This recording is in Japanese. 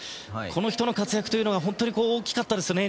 この人の活躍というのが本当に大きかったですね。